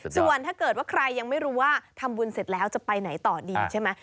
ส่วนถ้าเกิดว่าใครยังไม่รู้ว่าทำบุญเสร็จแล้วจะไปไหนต่อดีใช่ไหม